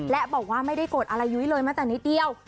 และบอกว่าไม่ได้โกรธอะไรยุ้ยเลยแม้แต่นิดเดียว